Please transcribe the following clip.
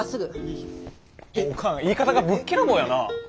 おかん言い方がぶっきらぼうやな？